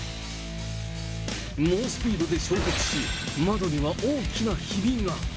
猛スピードで衝突し、窓には大きなひびが。